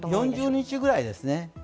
４０日ぐらいですね。